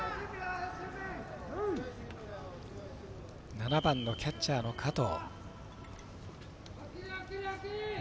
７番のキャッチャーの加藤。